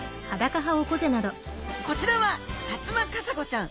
こちらはサツマカサゴちゃん。